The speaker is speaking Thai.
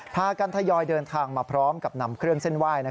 พากันทยอยเดินทางมาพร้อมกับนำเครื่องเส้นไหว้